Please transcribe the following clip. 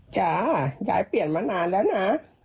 จ้ายายเปลี่ยนมานานแล้วนะ